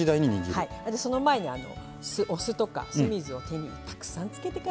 その前にお酢とか酢水を手にたくさんつけてから。